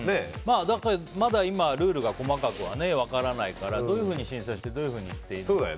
まだ今ルールが細かくは分からないからどういうふうに審査してどういうふうにっていうのが。